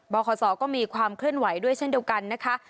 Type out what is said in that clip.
ขอสอก็มีความเคลื่อนไหวด้วยเช่นเดียวกันนะคะ